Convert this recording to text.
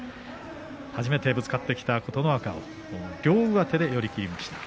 初めてぶつかってきた琴ノ若を両上手で寄り切りました。